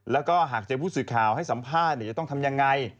แล้วก็หากเจอผู้สื่อข่าวให้สัมภาษณ์จะต้องทำยังไง